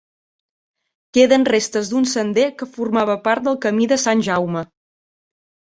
Queden restes d'un sender que formava part del Camí de Sant Jaume.